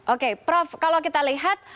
oke prof kalau kita lihat